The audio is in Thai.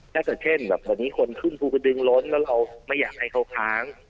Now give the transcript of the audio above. ถ้าเกิดเช่นแบบวันนี้คนขึ้นภูกระดึงล้นแล้วเราไม่อยากให้เขาค้าง